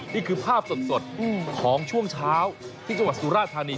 นี่คือภาพสดของช่วงเช้าที่จังหวัดสุราธานี